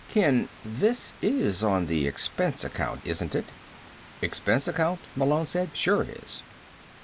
"Ken, this is on the expense account, isn't it?" "Expense account," Malone said. "Sure it is."